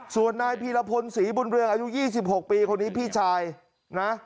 ส่วนนายพีรพลศรีบุญเรืองอายุ๒๖ปีคนนี้พี่ชายนะ